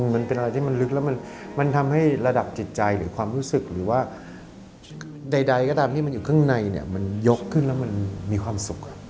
มันเป็นอะไรที่มันลึกแล้วมันทำให้ระดับจิตใจหรือความรู้สึกหรือว่าใดก็ตามที่มันอยู่ข้างในเนี่ยมันยกขึ้นแล้วมันมีความสุข